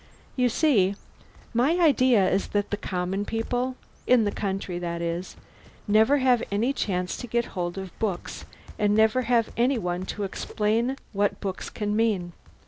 You see, my idea is that the common people in the country, that is never have had any chance to get hold of books, and never have had any one to explain what books can mean.